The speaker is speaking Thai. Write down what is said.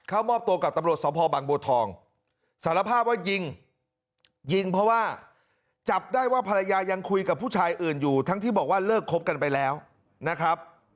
เขามอบตัวกับตำรวจสพบังบัวทองสารภาพว่ายิงยิงเพราะว่าจับได้ว่าภรรยายังคุยกับผู้ชายอื่นอยู่ทั้งที่บอกว่าเลิกคบกันไปแล้วนะครับ